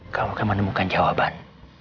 kamu akan menemukan jawaban